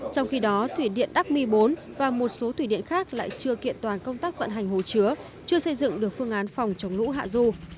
trong khi đó thủy điện đắc mi bốn và một số thủy điện khác lại chưa kiện toàn công tác vận hành hồ chứa chưa xây dựng được phương án phòng chống lũ hạ du